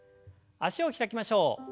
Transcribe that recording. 脚を開きましょう。